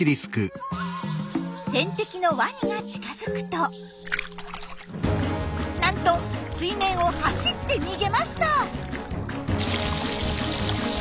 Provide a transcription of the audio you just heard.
天敵のワニが近づくとなんと水面を走って逃げました！